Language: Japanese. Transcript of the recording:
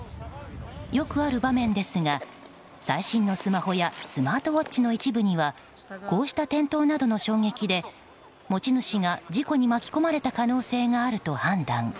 よくある場面ですが最新のスマホやスマートウォッチの一部にはこうした転倒などの衝撃で持ち主が事故に巻き込まれた可能性があると判断。